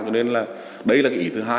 cho nên là đây là cái ý thứ hai